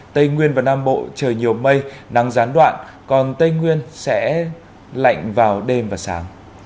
tây nguyên và nam bộ trời nhiều mây nắng gián đoạn còn tây nguyên sẽ lạnh vào đêm và sáng